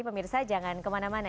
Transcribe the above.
pemirsa jangan kemana mana